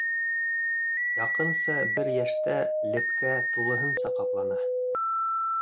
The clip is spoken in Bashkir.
Яҡынса бер йәштә лепкә тулыһынса ҡаплана.